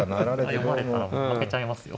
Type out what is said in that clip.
読まれたらもう負けちゃいますよ。